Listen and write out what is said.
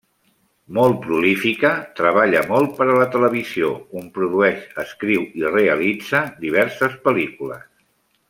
Molt prolífica, treballa molt per a la televisió on produeix, escriu i realitza diverses pel·lícules.